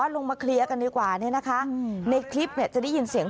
ลงมาเคลียร์กันดีกว่าเนี่ยนะคะในคลิปเนี่ยจะได้ยินเสียง